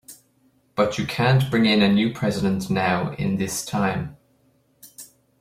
But you can't bring in a new president now, in this time.